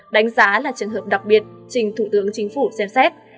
đánh giá là trường hợp đặc biệt trình thủ tướng chính phủ xem xét